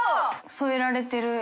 添えられてる。